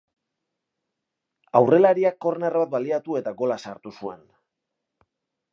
Aurrelariak korner bat baliatu eta gola sartu zuen.